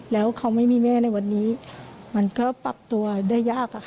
แล้วเขาไม่มีแม่ในวันนี้มันก็ปรับตัวได้ยากอะค่ะ